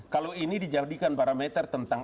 kalau ini dijadikan parameter tentang